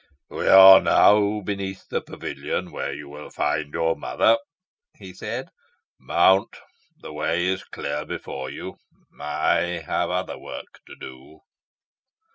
"We are now beneath the pavilion, where you will find your mother," he said. "Mount! the way is clear before you. I have other work to do."